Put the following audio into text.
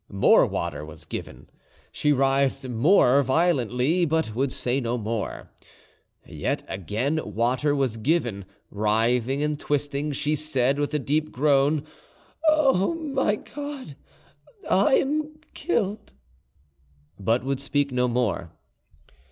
"More water was given; she writhed more violently, but would say no more. "Yet again water was given; writhing and twisting, she said, with a deep groan, 'O my God, I am killed!' but would speak no more."